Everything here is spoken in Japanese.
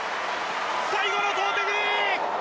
最後の投てき！